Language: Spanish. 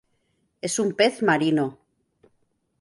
Es un pez marino.